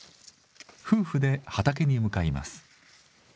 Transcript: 夫婦で畑に向かいます。